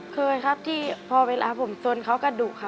เคยครับพอเวลาสนเค้าก็ดุค่ะ